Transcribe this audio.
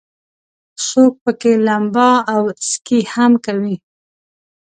څوک پکې لمبا او سکي هم کوي.